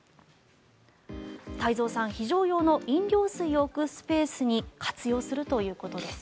太蔵さん、非常用の飲料水を置くスペースに活用するということです。